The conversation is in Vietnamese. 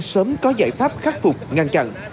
cần sớm có giải pháp khắc phục ngăn chặn